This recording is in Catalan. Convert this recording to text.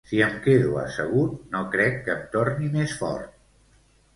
Si em quedo assegut no crec que em torni més fort.